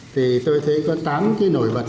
thì tôi thấy có tám cái nổi bật